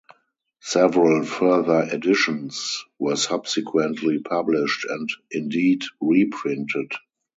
Several further editions were subsequently published, and indeed reprinted.